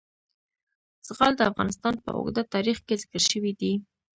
زغال د افغانستان په اوږده تاریخ کې ذکر شوی دی.